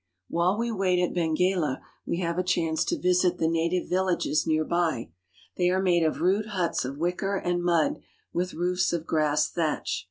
While we wait at Benguela we have a chance to visit the native villages near by. They are made of rude huts of wicker and mud with roofs of grass thatch.